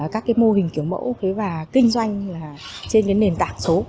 các mô hình kiểu mẫu và kinh doanh trên nền tảng số